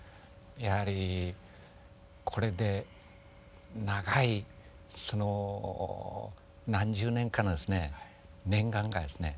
やはりこれで長いその何十年かの念願がですね